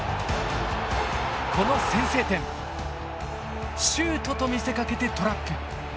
この先制点シュートと見せかけてトラップ。